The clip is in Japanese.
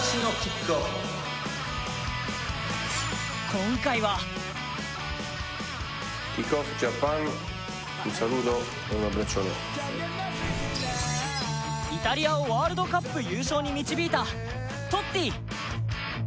今回はイタリアをワールドカップ優勝に導いたトッティ。